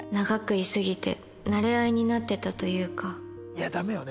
いやダメよね。